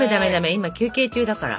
今休憩中だから。